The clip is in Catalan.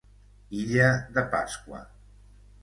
Illa de Pasqua.